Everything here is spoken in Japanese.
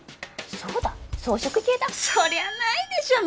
そうだ草食系だそりゃないでしょう